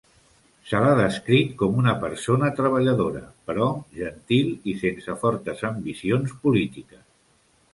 Se l'ha descrit com una persona treballadora, però gentil i sense fortes ambicions polítiques.